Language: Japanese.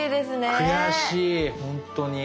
悔しいほんとに。